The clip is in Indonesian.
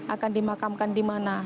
akan dimakamkan di mana